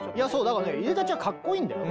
だからねいでたちはかっこいいんだよ。